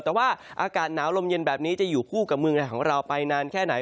แต่ว่าอากาศหนาวลมเย็นแบบนี้จะอยู่คู่กับเมืองของเราไปนานแค่ไหน